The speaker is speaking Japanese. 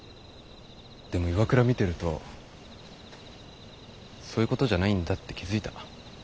でも岩倉見てるとそういうことじゃないんだって気付いた。